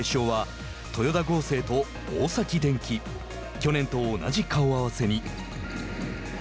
去年と同じ顔合わせに。